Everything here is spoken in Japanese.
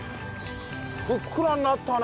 ふっくらになったね。